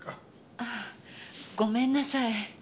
ああごめんなさい。